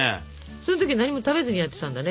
その時何も食べずにやってたんだね。